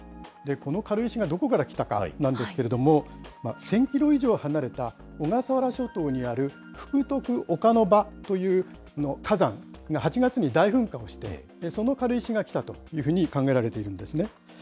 この軽石がどこから来たかなんですけれども、１０００キロ以上離れた、小笠原諸島にある福徳岡ノ場という火山、８月に大噴火をして、その軽石が来たというふうに考えられているんですね。